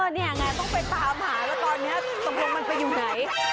นี่ไงต้องไปตามหาแล้วตอนนี้ตกลงมันไปอยู่ไหน